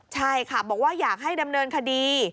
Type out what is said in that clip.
ใช่ค่ะบอกว่าอยากให้ดำเนินคดี